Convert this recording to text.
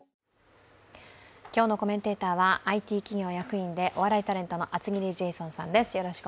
今日のコメンテーターはＩＴ企業役員でお笑いタレントの厚切りジェイソンさんです。